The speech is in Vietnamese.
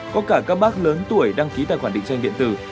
có cả các bác lớn tuổi đăng ký tài khoản định danh điện tử